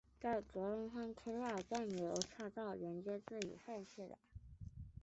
在格拉芬车站则设有岔道连接至现已废弃的。